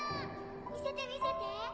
見せて見せて！